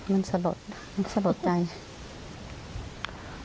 มันสลดมันสะลดใจ